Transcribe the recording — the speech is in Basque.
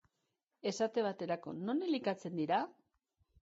Esate baterako, non elikatzen dira?